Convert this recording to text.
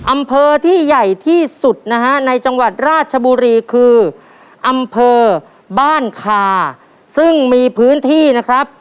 อำเภอที่ใหญ่ที่สุดนะฮะในจังหวัดราชบุรีคืออำเภอบ้านคาซึ่งมีพื้นที่นะครับ